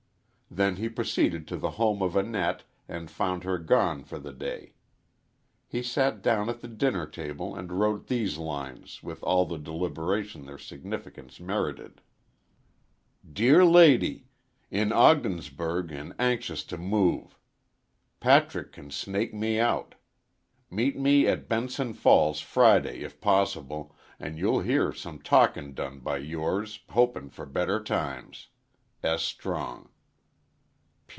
Then he proceeded to the home of Annette and found her gone for the day. He sat down at the dinner table and wrote these lines with all the deliberation their significance merited: _"Deer lady, In Ogdensburg an' anxious to move. Patrick can snake me out. Meet me at Benson Falls Friday if possibul an' youll heare some talkin' done by yours hopin fer better times, "S. Strong.